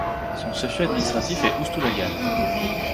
Son chef-lieu administratif est Oust-Oulagan.